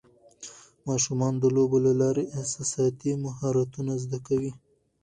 ماشومان د لوبو له لارې احساساتي مهارتونه زده کوي.